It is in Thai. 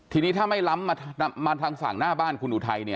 ทีนี้ถ้าไม่ล้ำมาทางฝั่งหน้าบ้านคุณอุทัยเนี่ย